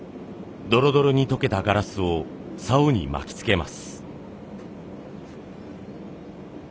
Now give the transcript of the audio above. ドロドロに溶けたガラスをさおに巻きつけます。